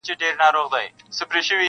پلاره هیڅ ویلای نه سمه کړېږم,